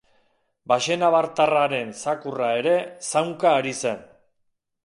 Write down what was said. Baxenabartarraren zakurra ere zaunka ari zen.